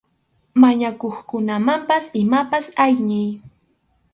Mañakuqkunamanpas imapas ayniy.